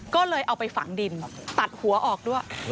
ก็เลยเอาไปฝังดินตัดหัวออกด้วย